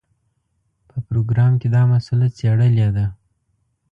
په پروګرام کې دا مسله څېړلې ده.